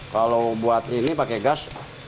kalau buat ini pakai gas